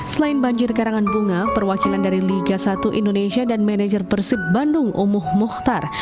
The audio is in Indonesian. selain banjir karangan bunga perwakilan dari liga satu indonesia dan manajer persib bandung umuh muhtar